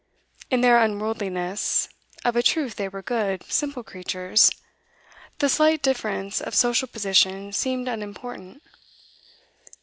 In their unworldliness of a truth they were good, simple creatures the slight difference of social position seemed unimportant.